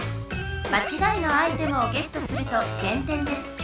まちがいのアイテムをゲットすると減点です。